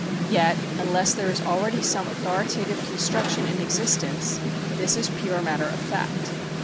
Yet unless there is already some authoritative construction in existence, this is pure matter of fact.